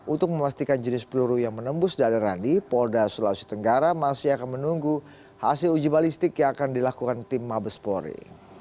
untuk memastikan jenis peluru yang menembus dari randi polda sulawesi tenggara masih akan menunggu hasil uji balistik yang akan dilakukan tim mabespori